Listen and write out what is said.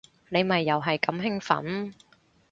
你咪又係咁興奮